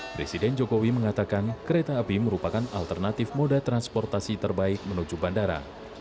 presiden jokowi mengatakan kereta api merupakan alternatif moda transportasi terbaik menuju bandara